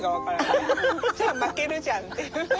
じゃあ負けるじゃんっていう！